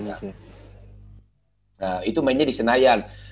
nah itu mainnya di senayan